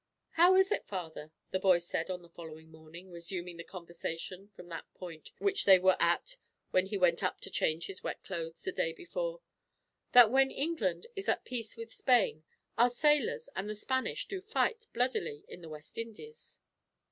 "How is it, Father," the boy said on the following morning, resuming the conversation from the point which they were at when he went up to change his wet clothes, the day before, "that when England is at peace with Spain, our sailors and the Spanish do fight bloodily, in the West Indies?"